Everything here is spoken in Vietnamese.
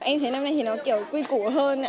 năm nay thì nó kiểu quy củ hơn